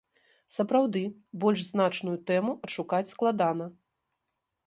Сапраўды, больш значную тэму адшукаць складана.